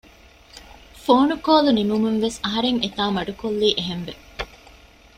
ފޯނުކޯލު ނިމުމުން ވެސް އަހަރެން އެތާ މަޑުކޮއްލީ އެހެނެްވެ